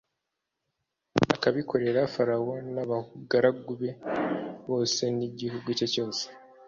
akabikorera farawo n’abagaragu be bose n’igihugu cye cyose